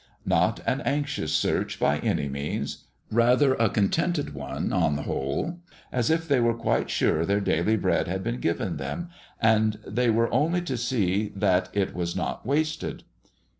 Not an anxious search, by any means; rather a contented one, on the whole, as if they were quite sure their daily bread had been given them, and they were only to see that it was not wasted.